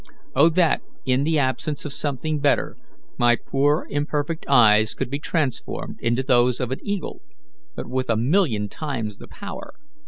O that, in the absence of something better, my poor imperfect eyes could be transformed into those of an eagle, but with a million times the power!